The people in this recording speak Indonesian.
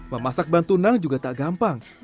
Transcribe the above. memasak bantunang juga tak gampang